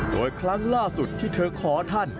โดยครั้งล่าสุดที่เธอขอท่าน